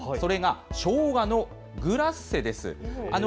それがしょうがのグラッセです。